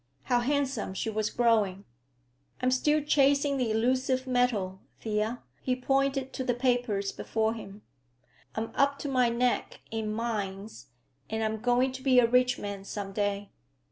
How handsome she was growing! "I'm still chasing the elusive metal, Thea,"—he pointed to the papers before him,—"I'm up to my neck in mines, and I'm going to be a rich man some day."